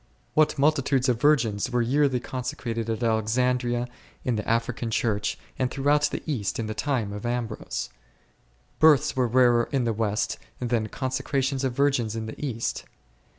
What multitudes of virgins were yearly consecrated at Alexandria, in the iUrican Church, and throughout the East in the time of r Cant. vii. 11, 12. o •o ©it i^olg ITtrgtmtg* 15 Ambrose. Births were rarer in the West, than con secrations of virgins in the East.